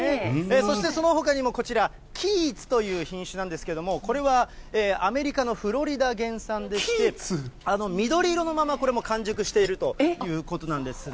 そしてそのほかにもこちら、キーツという品種なんですけれども、これはアメリカのフロリダ原産でして、緑色のまま、これは完熟しているということなんですね。